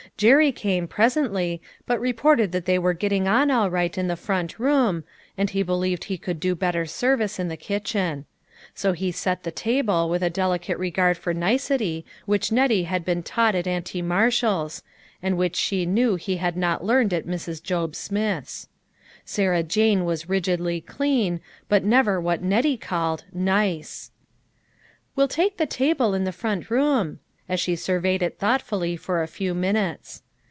Jerry came, presently, but reported that they were getting on all right in the front room, and he believed he could do better service in the kitchen ; so he sat the table with a delicate regard for nicety which Nettie had been taught at Auntie Marshall's, and which she knew he had not learned at Mrs. Job Smith's. Sarah Jane was rigidly clean, but never what Nettie called " nice." " We'll take the .table in the front room," de creed Nettie as she surveyed it thoughtfully for a few minutes.